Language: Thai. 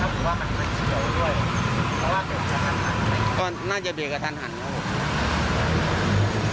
เพราะว่าเกี่ยวกับทันหันค่ะก็น่าจะเบกกับทันหันครับผม